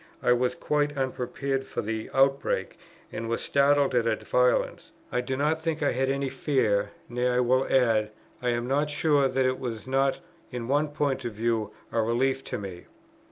I was quite unprepared for the outbreak, and was startled at its violence. I do not think I had any fear. Nay, I will add, I am not sure that it was not in one point of view a relief to me.